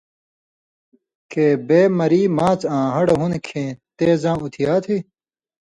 کہ بے مری ماڅھ آں ہڑہ ہون٘د کھی تے زاں اُتھیا تھی؟